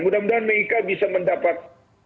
mudah mudahan mereka bisa mendapat